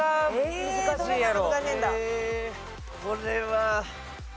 これは。